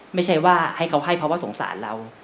ไม่ใช่ว่าให้เขาให้เพราะว่าสงสารเรา